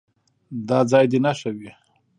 دا ځای دې نښه وي.